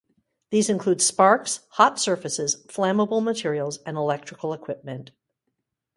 These include sparks, hot surfaces, flammable materials, and electrical equipment.